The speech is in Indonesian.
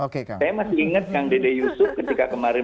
saya masih ingat kang dede yusuf ketika kemarin